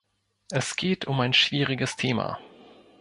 Es geht um ein schwieriges Thema.